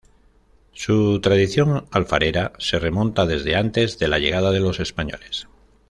Su tradición alfarera se remonta desde antes de la llegada de los españoles.